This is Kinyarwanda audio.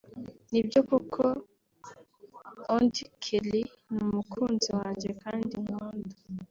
Nibyo koko Auddy Kelly ni umukunzi wanjye kandi nkunda